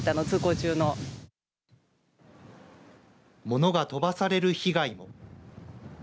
物が飛ばされる被害も。